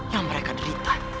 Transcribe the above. yang mereka derita